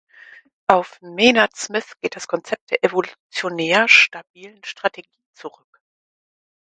Auf Maynard Smith geht das Konzept der Evolutionär Stabilen Strategie zurück.